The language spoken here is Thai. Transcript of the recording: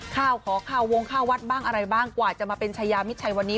ข้าวขอข้าววงข้าววัดบ้างอะไรบ้างกว่าจะมาเป็นชายามิดชัยวันนี้